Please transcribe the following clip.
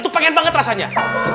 itu pengen banget rasanya